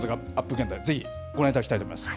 現代、ぜひご覧いただきたいと思います。